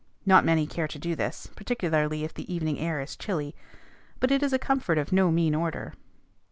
Not many care to do this, particularly if the evening air is chilly; but it is a comfort of no mean order.